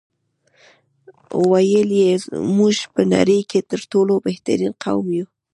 ویل به یې موږ په نړۍ کې تر ټولو بهترین قوم یو.